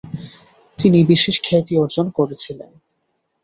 তিনি বিশেষ খ্যাতি অর্জন করেছিলেন।